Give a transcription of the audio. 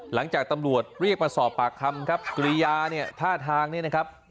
หลังจากตำรวจเรียกมาสอบปากคำครับกิริยาเนี่ยท่าทางเนี่ยนะครับ